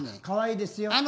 かわいいですよ。